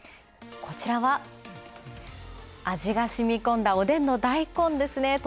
こちらは、味がしみこんだおでんのダイコンですね。